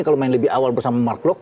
kalau main lebih awal bersama mark klok